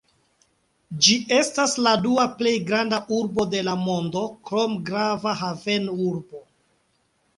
Ĝi estas la dua plej granda urbo de la lando, krome grava havenurbo.